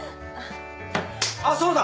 あっそうだ！